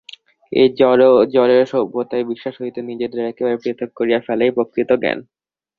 এই জড় ও জড়ের সত্যতায় বিশ্বাস হইতে নিজেদের একেবারে পৃথক করিয়া ফেলাই প্রকৃত জ্ঞান।